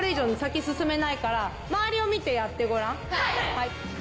はい！